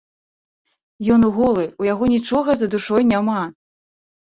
Ён голы, у яго нічога за душой няма.